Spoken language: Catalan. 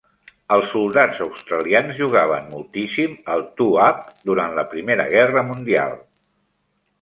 Els soldats australians jugaven moltíssim al "two-up" durant la Primera Guerra Mundial.